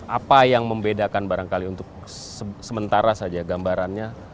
apa yang membedakan barangkali untuk sementara saja gambarannya